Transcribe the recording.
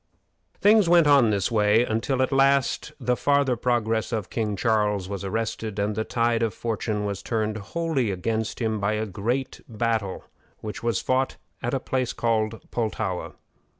Things went on in this way until, at last, the farther progress of King Charles was arrested, and the tide of fortune was turned wholly against him by a great battle which was fought at a place called Pultowa.